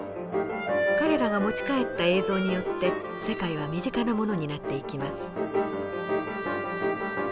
彼らが持ち帰った映像によって世界は身近なものになっていきます。